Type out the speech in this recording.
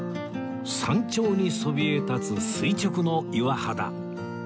山頂にそびえ立つ垂直の岩肌